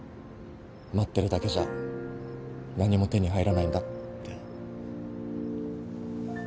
待ってるだけじゃ何も手に入らないんだって。